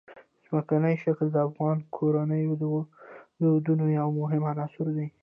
ځمکنی شکل د افغان کورنیو د دودونو یو مهم عنصر دی.